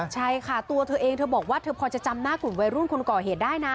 ใช่ค่ะตัวเธอเองเธอบอกว่าเธอพอจะจำหน้ากลุ่มวัยรุ่นคนก่อเหตุได้นะ